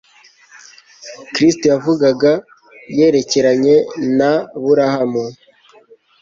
Kristo yavugaga yerekeranye na Aburahamu.